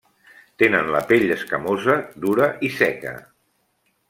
Tenen la pell escamosa, dura i seca.